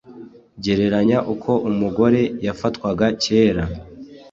Gereranya uko umugore yafatwaga kera